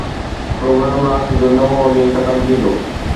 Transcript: Programme رات جو نو وڳي ختم ٿيندو.